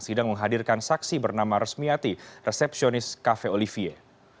sidang menghadirkan saksi bernama resmiati resepsionis cafe olivier